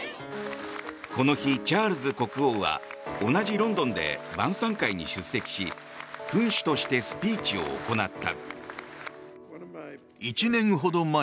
この日、チャールズ国王は同じロンドンで晩さん会に出席し君主としてスピーチを行った。